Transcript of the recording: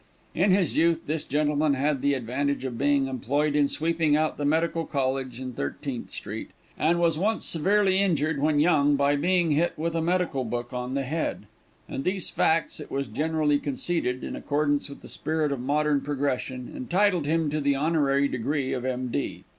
In his youth this gentleman had the advantage of being employed in sweeping out the medical college in Thirteenth street, and was once severely injured when young by being hit with a medical book on the head; and these facts it was generally conceded, in accordance with the spirit of modern progression, entitled him to the honorary degree of M.D.